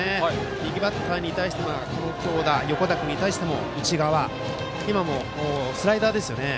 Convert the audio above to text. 右バッターに対して強打者、横田君に対しても内側で攻めて今もスライダーですよね。